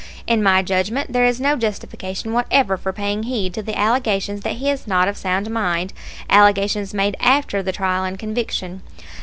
In my judgment there is no justification whatever for paying heed to the allegations that he is not of sound mind, allegations made after the trial and conviction.